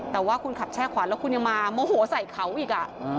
แต่ว่าคุณขับแช่ขวาแล้วคุณยังมาโมโหใส่เขาอีก